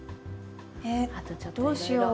えどうしよう？